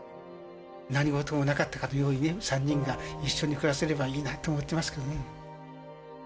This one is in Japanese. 何事もなかったかのように３人が一緒に暮らせればいいなと思ってますけどね。